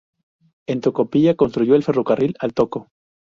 En Tocopilla construyó el ferrocarril al Toco.